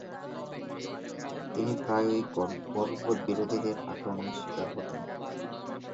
তিনি প্রায়ই গর্ভপাত বিরোধীদের আক্রমনের শিকার হতেন।